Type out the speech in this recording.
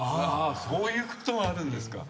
そういうこともあるんですか。